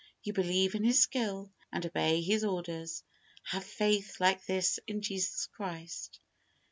You believe in his skill, and obey his orders. Have faith like this in Jesus Christ.